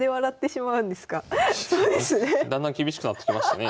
なんかだんだん厳しくなってきましたね。